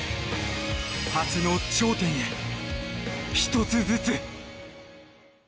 初の頂点へ、１つずつ。